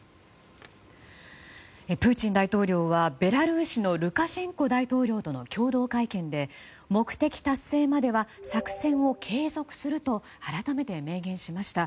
プーチン大統領は、ベラルーシのルカシェンコ大統領との共同会見で、目的達成までは作戦を継続すると改めて明言しました。